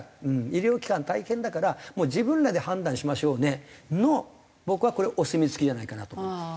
医療機関は大変だからもう自分らで判断しましょうねの僕はこれお墨付きじゃないかなと思います。